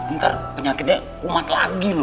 ntar penyakitnya umat lagi loh